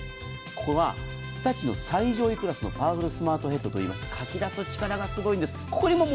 ここは日立の最上位クラスのパワフルスマートヘッドといいましてかき出す力がすごいんです。